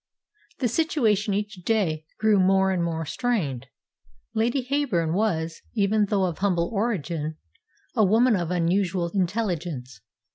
The situation each day grew more and more strained. Lady Heyburn was, even though of humble origin, a woman of unusual intelligence.